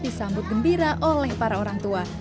disambut gembira oleh para orang tua